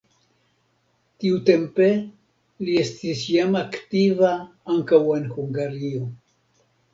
Tiutempe li estis jam aktiva ankaŭ en Hungario.